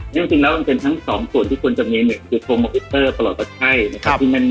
นี่เป็นทั้งสองส่วนที่ควรจะมี๑โทโมคิกเตอร์ตอบค่ายที่แม่น